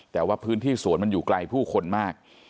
แต่ว่าพื้นที่สวนมันอยู่ไกลผู้คนมาก